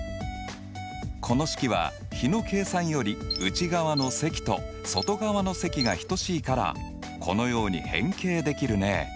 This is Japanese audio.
この式は比の計算より内側の積と外側の積が等しいからこのように変形できるね。